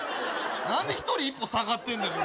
何で１人１歩下がってんねん